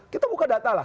kita buka data lah